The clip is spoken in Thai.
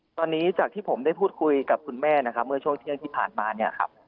ตอนนี้จากที่ผมได้พูดคุยกับคุณแม่นะครับเมื่อช่วงเที่ยงที่ผ่านมาเนี่ยครับ